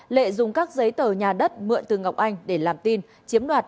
lệ dùng các giấy tờ nhà đất mượn từ ngọc anh để làm tin chiếm đoạt